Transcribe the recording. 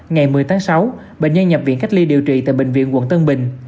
ngày một mươi tháng sáu bệnh nhân nhập viện cách ly điều trị tại bệnh viện quận tân bình